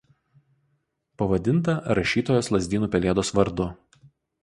Pavadinta rašytojos Lazdynų Pelėdos vardu.